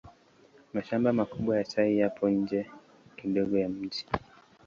Mashamba makubwa ya chai yapo nje kidogo ya mji.